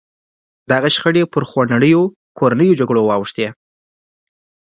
دغه شخړې پر خونړیو کورنیو جګړو واوښتې.